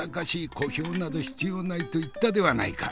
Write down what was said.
小兵など必要ないと言ったではないか。